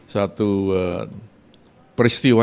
satu peristiwa yang cukup berharga